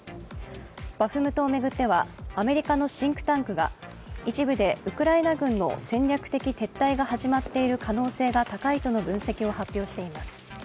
バフムトを巡ってはアメリカのシンクタンクが一部でウクライナ軍の戦略的撤退が始まっている可能性が高いとの分析を発表しています。